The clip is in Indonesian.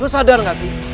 lo sadar gak sih